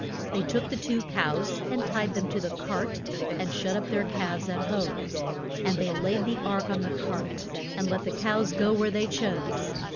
They took the two cows and tied them to the cart, and shut up their calves at home. And they laid the ark on the cart, and let the cows go where they chose.